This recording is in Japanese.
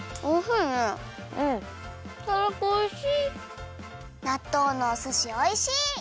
おいしい。